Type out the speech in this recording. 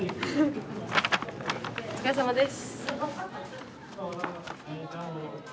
お疲れさまです。